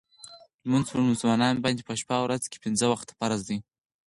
لمونځ په مسلمانانو باندې په شپه او ورځ کې پنځه وخته فرض دی .